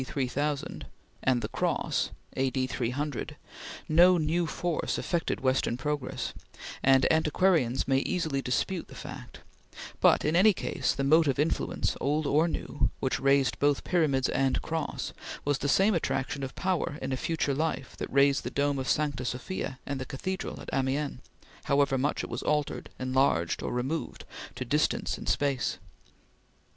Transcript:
3000), and the Cross (A.D. 300), no new force affected Western progress, and antiquarians may easily dispute the fact; but in any case the motive influence, old or new, which raised both Pyramids and Cross was the same attraction of power in a future life that raised the dome of Sancta Sofia and the Cathedral at Amiens, however much it was altered, enlarged, or removed to distance in space.